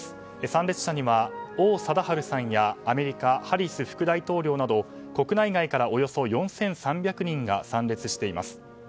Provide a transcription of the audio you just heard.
参列者には王貞治さんやアメリカ、ハリス副大統領など国内外から、およそ４３００人が参列しています。